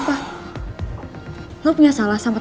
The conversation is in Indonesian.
sebelum masalah ini